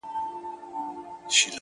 • ښورواگاني يې څټلي د كاسو وې ,